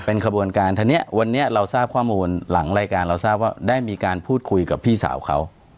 เป็นขบวนการทีนี้วันนี้เราทราบข้อมูลหลังรายการเราทราบว่าได้มีการพูดคุยกับพี่สาวเขา